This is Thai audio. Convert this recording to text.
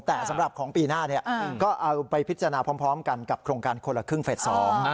แต่สำหรับของปีหน้าเนี่ยก็เอาไปพิจารณาพร้อมกันกับโครงการคนละครึ่งเฟส๒